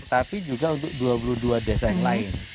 tapi juga untuk dua puluh dua desa yang lain